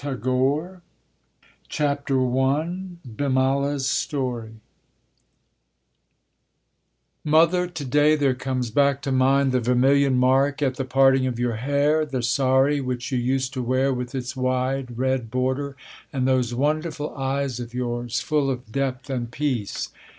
jpg] Chapter One Bimala's Story I MOTHER, today there comes back to mind the vermilion mark at the parting of your hair, the __sari__ which you used to wear, with its wide red border, and those wonderful eyes of yours, full of depth and peace.